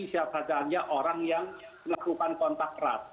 setiap saat saja orang yang melakukan kontak keras